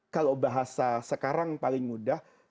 kalau bahasa sekarang paling mudah